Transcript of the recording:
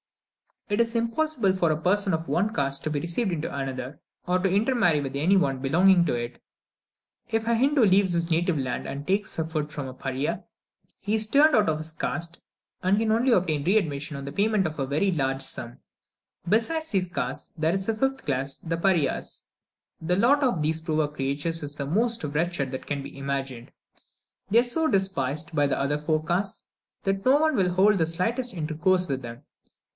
It is impossible for a person of one caste to be received into another, or to intermarry with any one belonging to it. If a Hindoo leaves his native land or takes food from a Paria, he is turned out of his caste, and can only obtain re admission on the payment of a very large sum. Besides these castes, there is a fifth class the Parias. The lot of these poor creatures is the most wretched that can be imagined. They are so despised by the other four castes, that no one will hold the slightest intercourse with them.